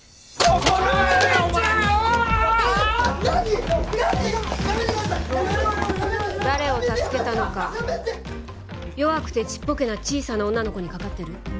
やめてやめて誰を助けたのか「弱くてちっぽけな小さな女の子」にかかってる？